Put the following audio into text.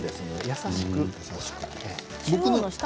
優しく。